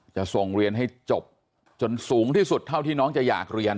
จะส่งเรียนให้จบจนสูงที่สุดเท่าที่น้องจะอยากเรียน